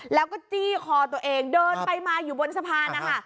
แล้วก็จี้คอตัวเองเดินไปมาอยู่บนสะพานนะคะ